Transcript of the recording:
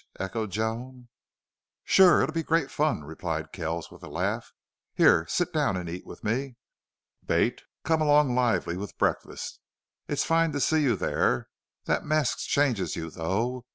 echoed Joan. "Sure. It'll be great fun," replied Kells, with a laugh. "Here sit down and eat with me.... Bate, come along lively with breakfast.... It's fine to see you there. That mask changes you, though.